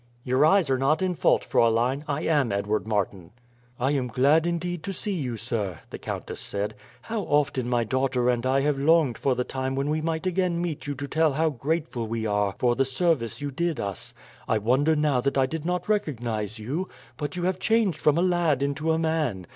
"Your eyes are not in fault, Fraulein. I am Edward Martin." "I am glad, indeed, to see you, sir," the countess said. "How often my daughter and I have longed for the time when we might again meet you to tell how grateful we are for the service you did us. I wonder now that I did not recognize you; but you have changed from a lad into a man.